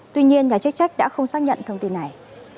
tuy nhiên nhà chức trách đã không xác nhận thông tin này